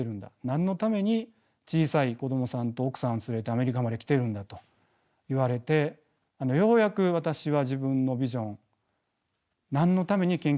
何のために小さい子どもさんと奥さんを連れてアメリカまで来てるんだと言われてようやく私は自分のビジョン何のために研究者になったかを思い出しました。